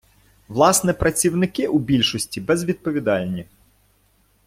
Власне, працівники у більшості безвідповідальні.